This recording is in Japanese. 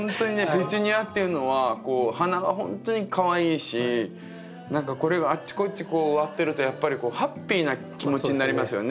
ペチュニアっていうのはお花がほんとにかわいいし何かこれがあっちこっち植わってるとやっぱりハッピーな気持ちになりますよね。